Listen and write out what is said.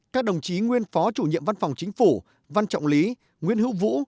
các đồng chí nguyên phó chủ nhiệm văn phòng chính phủ văn trọng lý nguyên hữu vũ